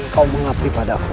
aku akan menjadi budakmu